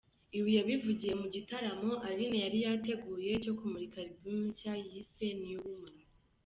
Ibi yabivugiye mu gitaramo Aline yari yateguye cyo kumurika Album nshya yise ‘New Woman’.